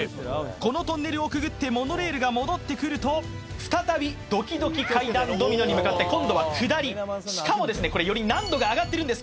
このトンネルをくぐってモノレールが戻ってくると再びドキドキ階段ドミノに向かって今度は下りしかもですねより難度が上がってるんです